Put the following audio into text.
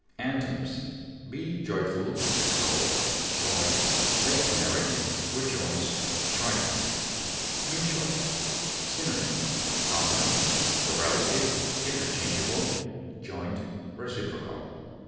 Antonyms: be joyful, exult, joy, make merry, rejoice, triumph. MUTUAL. Synonyms: common, correlative, interchangeable, joint, reciprocal.